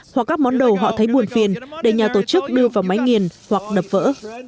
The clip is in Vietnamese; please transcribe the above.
hoặc các món đồ họ thấy buồn phiền để nhà tổ chức đưa vào máy nghiền hoặc đập vỡ